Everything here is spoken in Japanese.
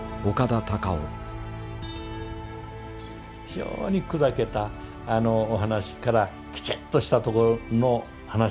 非常にくだけたお話からきちっとしたところの話に持っていく。